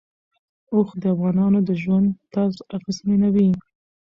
اوښ د افغانانو د ژوند طرز اغېزمنوي.